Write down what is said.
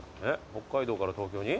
北海道から東京に？